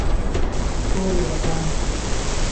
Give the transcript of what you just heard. کور یې ودان.